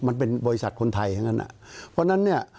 มันเป็นบริษัทคนไทยเหมือนกันอ่ะเพราะฉะนั้นเนี่ย